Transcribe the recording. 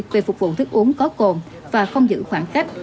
về phục vụ thức uống có cồn và không giữ khoảng cách